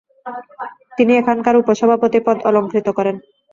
তিনি এখানকার উপ সভাপতি পদ অলংকৃত করেন।